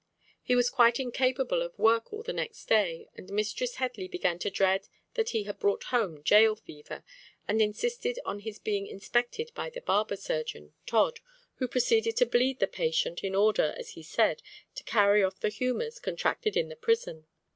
He was quite incapable of work all the next day, and Mistress Headley began to dread that he had brought home jail fever, and insisted on his being inspected by the barber surgeon, Todd, who proceeded to bleed the patient, in order, as he said, to carry off the humours contracted in the prison.